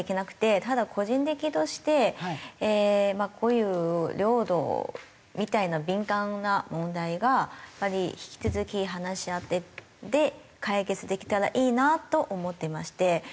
ただ個人的としてこういう領土みたいな敏感な問題がやっぱり引き続き話し合って解決できたらいいなと思ってまして。